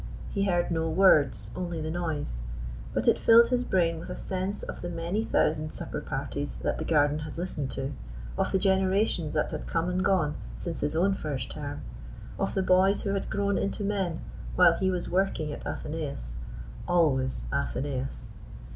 He heard no words, only the noise; but it filled his brain with a sense of the many thousand supper parties that the garden had listened to, of the generations that had come and gone since his own first term, of the boys who had grown into men while he was working at Athenaeus always Athenaeus.